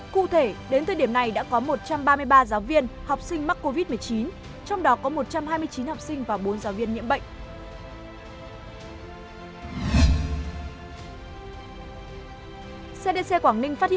cụ thể đến thời điểm này đã có một trăm ba mươi ba giáo viên học sinh mắc covid một mươi chín trong đó có một trăm hai mươi chín học sinh và bốn giáo viên nhiễm bệnh